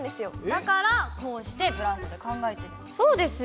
だからこうしてブランコで考えてるんです。